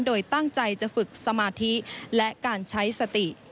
โดยตั้งใจจะฝึกสมาธิและการใช้สติ